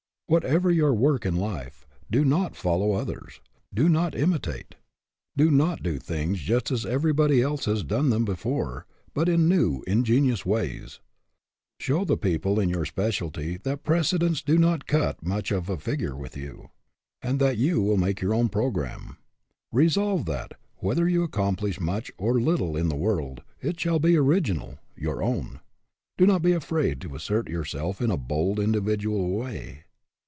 What ever your work in life, do not follow others. Do not imitate. Do not do things just as everybody else has done them before, but in new, ingenious ways. Show the people in your specialty that precedents do not cut much of a figure with you, and that you will .make your own programme. Resolve that, whether you accomplish much or little in the world, it shall be original your own. Do not be afraid to assert yourself in a bold indi vidual way.